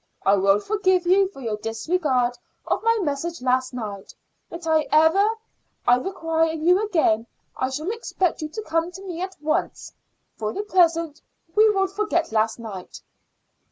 I will forgive you for your disregard of my message last night, but if ever I require you again I shall expect you to come to me at once. For the present we will forget last night."